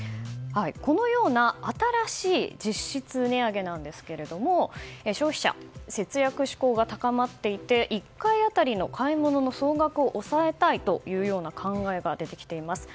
このような、新しい実質値上げなんですけれども消費者は節約志向が高まっていて１回当たりの買い物の総額を抑えたいという考えが出てきています。